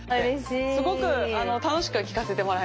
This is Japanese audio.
すごく楽しく聴かせてもらいました。